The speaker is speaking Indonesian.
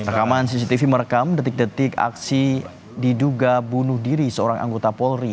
rekaman cctv merekam detik detik aksi diduga bunuh diri seorang anggota polri